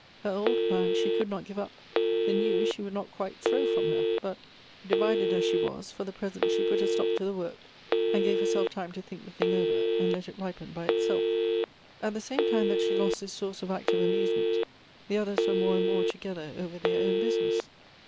Her old plans she conld not give up, the new she would not quite throw from her ; but, divided as she was, for the present she put a stop to the work, and gave herself time to think the thing over, and let it ripen by itself. At the same time that she lost this source of active amusement, the others were more and more together over their own business.